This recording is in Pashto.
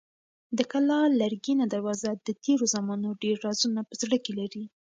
د کلا لرګینه دروازه د تېرو زمانو ډېر رازونه په زړه کې لري.